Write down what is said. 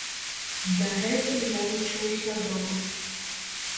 Дагэтуль я вучыўся дома.